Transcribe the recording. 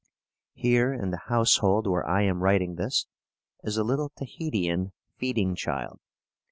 Here, in the household where I am writing this, is a little Tahitian "feeding child."